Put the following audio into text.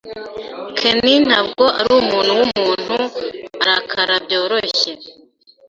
Ken ntabwo arumuntu wumuntu urakara byoroshye.